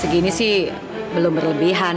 segini sih belum berlebihan